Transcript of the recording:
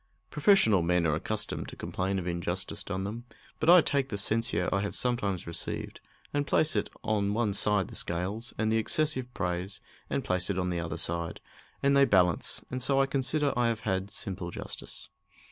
Professional men are accustomed to complain of injustice done them, but I take the censure I have sometimes received and place it on one side the scales, and the excessive praise, and place it on the other side, and they balance, and so I consider I have had simple justice.